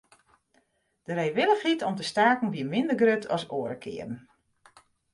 De reewillichheid om te staken wie minder grut as oare kearen.